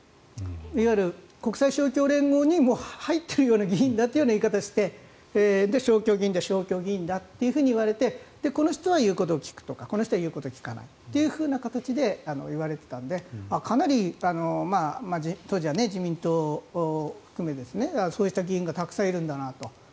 いわゆる国際勝共連合にもう入っているような議員だという言い方をして勝共議員だっていわれてこの人は言うことを聞くとかこの人は言うことを聞かないとかいわれていたのでかなり当時は自民党含めそういう議員がたくさんいるんだなと。